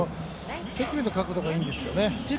手首の角度がいいんですよね。